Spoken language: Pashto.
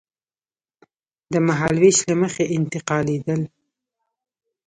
د مهالوېش له مخې انتقالېدل.